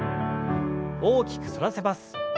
大きく反らせます。